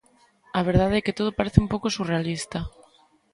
A verdade é que todo parece un pouco surrealista.